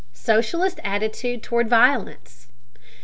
SOCIALIST ATTITUTE TOWARD VIOLENCE.